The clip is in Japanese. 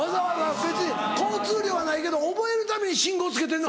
別に交通量はないけど覚えるために信号付けてんの？